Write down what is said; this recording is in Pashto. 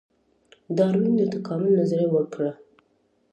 ډاروین د تکامل نظریه ورکړه